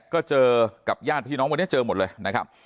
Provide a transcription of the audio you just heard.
ก็เจอกับญาติพี่น้องวันนี้เจอหมดเลยนะครับ